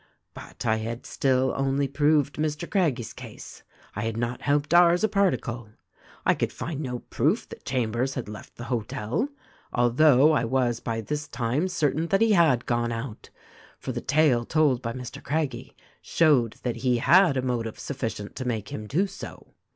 "But I had still only proved Mr. Craggie's case. I had not helped ours a particle. I could find no proof that Cham bers had left the hotel, although I was by this time cer tain that he had gone out; for the tale told by Mr. Craggie showed that he had a motive sufficient to make him do so.